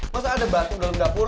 masa ada batu dalam dapur